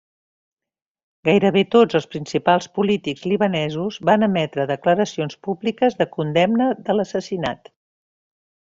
Gairebé tots els principals polítics libanesos van emetre declaracions públiques de condemna de l'assassinat.